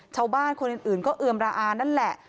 ชาวบ้านคนอื่นก็เอือมระอานั่นแหละ